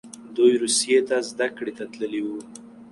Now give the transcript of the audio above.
دوی روسیې ته زده کړې ته تللي وو.